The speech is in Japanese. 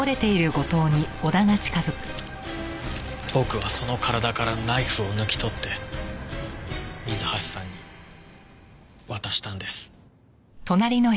僕はその体からナイフを抜き取って水橋さんに渡したんです。